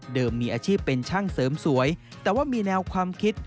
มีอาชีพเป็นช่างเสริมสวยแต่ว่ามีแนวความคิด